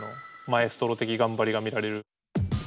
マエストロ的頑張りが見られる。